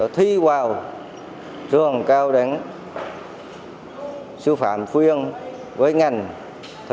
thì vào trường cao đến siêu phạm khuyên với ngành thể dục thỏa thao